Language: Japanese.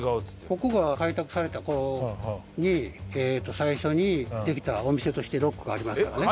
ここが開拓された頃に最初にできたお店としてＲＯＣＫがありますからね。